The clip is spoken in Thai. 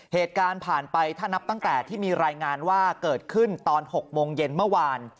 เหตุการณ์ผ่านไปถ้านับตั้งแต่ที่มีรายงานว่าเกิดขึ้นตอน๖โมงเย็นเมื่อวาน